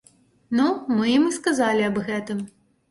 Ну, мы ім і сказалі аб гэтым.